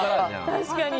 確かに。